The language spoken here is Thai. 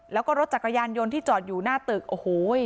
แล้วก็รถจักรยานยนต์ที่จอดอยู่หน้าตึกโอ้โห